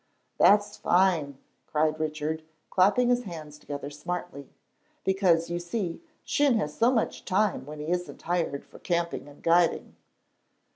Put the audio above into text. "That's fine," cried Richard, clapping his hands together smartly, "because you see Shin has so much time when he isn't hired for camping and guiding."